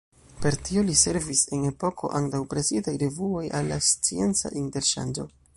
Per tio li servis, en epoko antaŭ presitaj revuoj, al la scienca interŝanĝo.